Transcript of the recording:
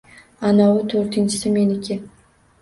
Anovi to‘rtinchisi — meniki.